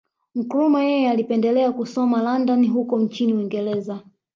Nkrumah yeye alipendelea kusoma London huko nchini Uingereza